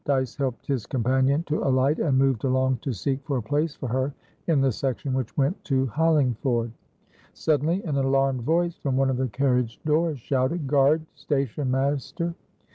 Dyce helped his companion to alight, and moved along to seek for a place for her in the section which went to Hollingford. Suddenly an alarmed voice from one of the carriage doors shouted "Guard! Station master!"